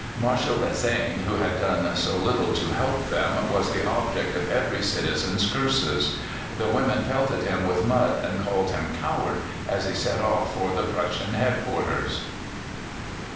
Marshal Bazaine, who had done so little to help them, was the object of every citizen's curses. The women pelted him with mud and called him "Coward!" as he set off for the Prussian headquarters.